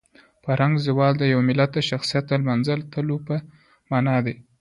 فرهنګي زوال د یو ملت د شخصیت د لمنځه تلو په مانا دی.